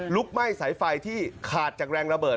ไหม้สายไฟที่ขาดจากแรงระเบิด